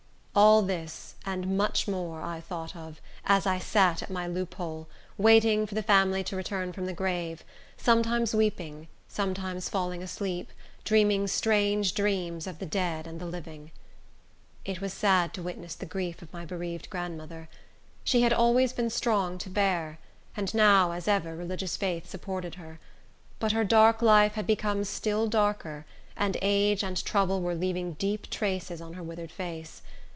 All this, and much more, I thought of, as I sat at my loophole, waiting for the family to return from the grave; sometimes weeping, sometimes falling asleep, dreaming strange dreams of the dead and the living. It was sad to witness the grief of my bereaved grandmother. She had always been strong to bear, and now, as ever, religious faith supported her. But her dark life had become still darker, and age and trouble were leaving deep traces on her withered face.